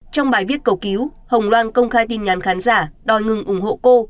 trong bài viết cầu cứu hồng loan công khai tin nhắn khán giả đòi ngừng ủng hộ cô